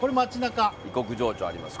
異国情緒ありますね。